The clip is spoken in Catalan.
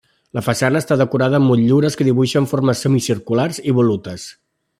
La façana està decorada amb motllures que dibuixen formes semicirculars i volutes.